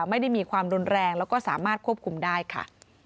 ไม่ได้มีความรุนแรงแล้วก็สามารถควบคุมได้ค่ะ